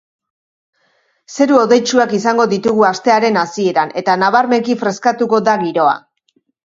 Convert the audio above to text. Zeru hodeitsuak izango ditugu astearen hasieran eta nabarmenki freskatuko da giroa.